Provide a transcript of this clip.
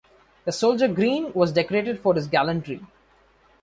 The soldier Green was decorated for his "gallantry".